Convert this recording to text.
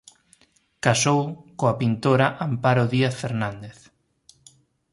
Casou coa pintora Amparo Díaz Fernández.